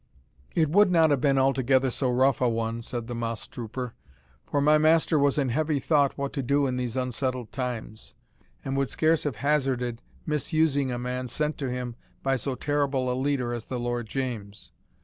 "It would not have been altogether so rough a one," said the mosstrooper; "for my master was in heavy thought what to do in these unsettled times, and would scarce have hazarded misusing a man sent to him by so terrible a leader as the Lord James.